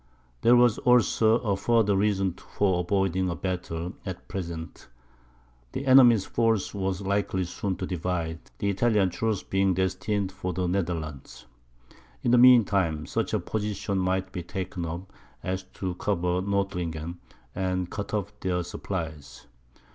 There was also a further reason for avoiding a battle at present; the enemy's force was likely soon to divide, the Italian troops being destined for the Netherlands. In the mean time, such a position might be taken up, as to cover Nordlingen, and cut off their supplies.